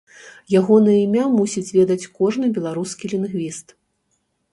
Ягонае імя мусіць ведаць кожны беларускі лінгвіст.